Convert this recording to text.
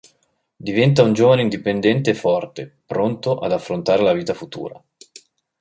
Diventa un giovane indipendente e forte, pronto ad affrontare la vita futura.